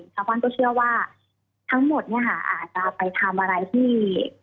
ชาวบ้านก็เชื่อว่าทั้งหมดเนี่ยค่ะอาจจะไปทำอะไรที่